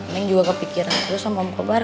neng juga kepikiran terus sama om kobar